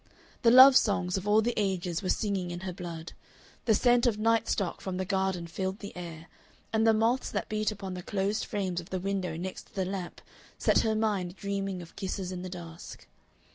The love songs of all the ages were singing in her blood, the scent of night stock from the garden filled the air, and the moths that beat upon the closed frames of the window next the lamp set her mind dreaming of kisses in the dusk.